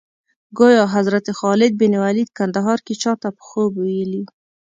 ګویا حضرت خالد بن ولید کندهار کې چا ته په خوب ویلي.